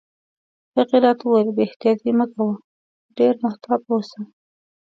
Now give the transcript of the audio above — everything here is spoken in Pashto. هغې راته وویل: بې احتیاطي مه کوه، ډېر محتاط اوسه.